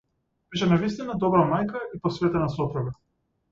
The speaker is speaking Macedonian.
Беше навистина добра мајка и посветена сопруга.